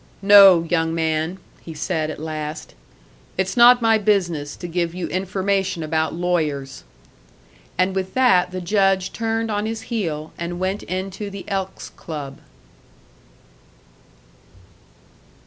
"No, young man," he said at last, "it's not my business to give you information about lawyers." And with that the judge turned on his heel and went into the Elks' Club.